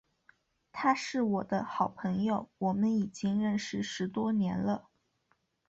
他是我的好朋友，我们已经认识十多年了。